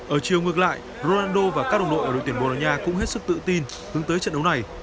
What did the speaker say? ở chiều ngược lại ronaldo và các đồng đội ở đội tuyển bồ đào nha cũng hết sức tự tin hướng tới trận đấu này